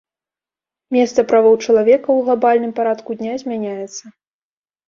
Месца правоў чалавека ў глабальным парадку дня змяняецца.